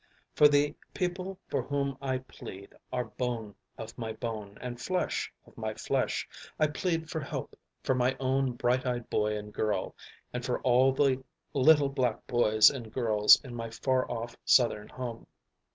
For the people for whom I plead are bone of my bone and flesh of my flesh. I plead for help for my own bright eyed boy and girl, and for all the little black boys and girls in my far off Southern home.